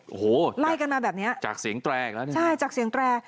โอ้โหไล่กันมาแบบเนี้ยจากเสียงแตรอีกแล้วเนี่ยใช่จากเสียงแตร